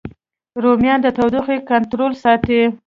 رومیان د تودوخې کنټرول ساتي